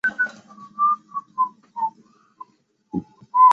是下半年和第三季的开始。